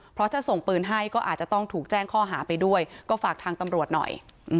เพราะถ้าส่งปืนให้ก็อาจจะต้องถูกแจ้งข้อหาไปด้วยก็ฝากทางตำรวจหน่อย